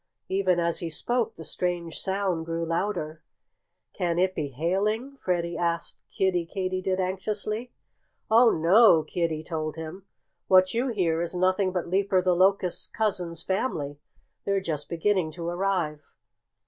Even as he spoke the strange sound grew louder. "Can it be hailing?" Freddie asked Kiddie Katydid anxiously. "Oh, no!" Kiddie told him. "What you hear is nothing but Leaper the Locust's cousin's family. They're just beginning to arrive."